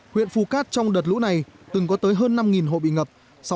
huyện phù cát trong đợt lũ này từng có tới hơn năm hộ bị ngập